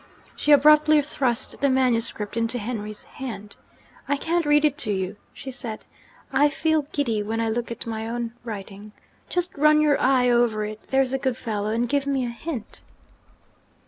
She abruptly thrust the manuscript into Henry's hand. 'I can't read it to you,' she said; 'I feel giddy when I look at my own writing. Just run your eye over it, there's a good fellow and give me a hint.'